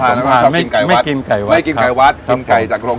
สมภารมันเป็นชอบกินไก่วัดไม่กินไก่วัดครับ